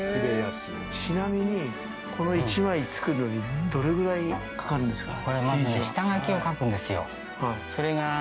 ちなみに、この１枚作るのにどれぐらいかかるんですか。